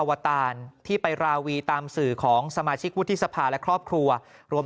วตารที่ไปราวีตามสื่อของสมาชิกวุฒิสภาและครอบครัวรวม